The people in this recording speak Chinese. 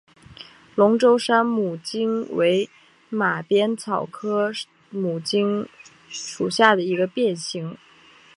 龙州山牡荆为马鞭草科牡荆属下的一个变型。